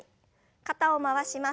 肩を回します。